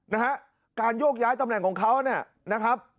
นะฮะการโยกย้ายตำแหน่งของเขาเนี่ยนะครับ